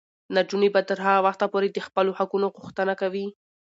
نجونې به تر هغه وخته پورې د خپلو حقونو غوښتنه کوي.